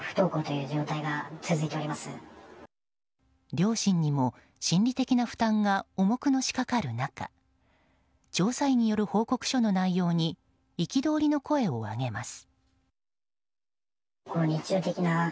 両親にも心理的な負担が重くのしかかる中調査委による報告書の内容に憤りの声を上げます。